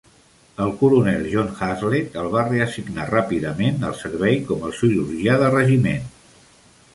El coronel John Haslet el va reassignar ràpidament al servei com el cirurgià de regiment.